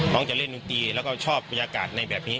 จะเล่นดนตรีแล้วก็ชอบบรรยากาศในแบบนี้